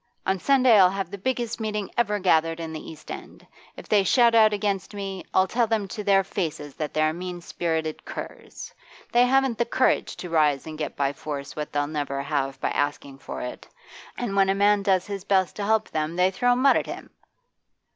On Sunday I'll have the biggest meeting ever gathered in the East End. If they shout out against me, I'll tell them to their faces that they're mean spirited curs. They haven't the courage to rise and get by force what they'll never have by asking for it, and when a man does his best to help them they throw mud at him!